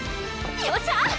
よっしゃ！